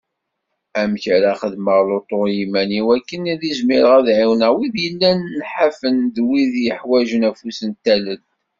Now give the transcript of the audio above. Amek ara xedmeɣ lutu i yiman-iw akken ad izmireɣ ad ɛiwneɣ wid yellan nḥafen d wid yeḥwaǧen afus n tallelt.